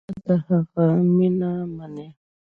فاطمه د هغه مینه مني.